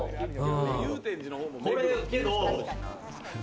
これ、けど。